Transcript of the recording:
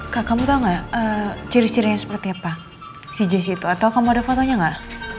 kak kamu tau gak ciri cirinya seperti apa si jazz itu atau kamu ada fotonya enggak